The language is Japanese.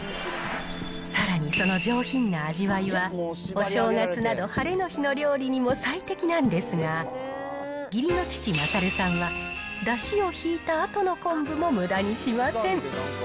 さらにその上品な味わいは、お正月など晴れの日の料理にも最適なんですが、義理の父、まさるさんは、だしをひいたあとの昆布もむだにしません。